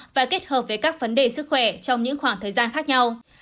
và kết hợp với các vấn đề sức khỏe trong những khoảng thời gian khác nhau